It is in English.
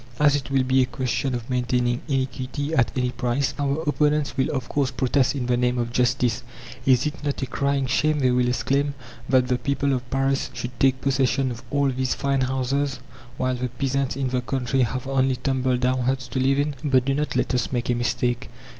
As it will be a question of maintaining iniquity at any price, our opponents will of course protest "in the name of justice." "Is it not a crying shame," they will exclaim, "that the people of Paris should take possession of all these fine houses, while the peasants in the country have only tumble down huts to live in?" But do not let us make a mistake.